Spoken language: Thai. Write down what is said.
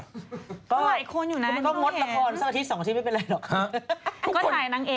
ก็มันก็งดละครสักอาทิตย์สองที่ไม่เป็นไรหรอกทุกคนก็ถ่ายนางเอกก่อน